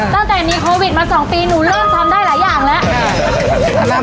ตั้งแต่มีโควิดมา๒ปีหนูเริ่มทำได้หลายอย่างแล้ว